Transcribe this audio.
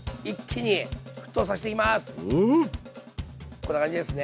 こんな感じですね。